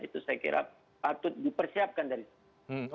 itu saya kira patut dipersiapkan dari situ